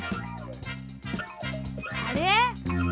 あれ？